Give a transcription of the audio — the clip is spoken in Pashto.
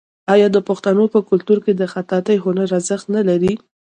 آیا د پښتنو په کلتور کې د خطاطۍ هنر ارزښت نلري؟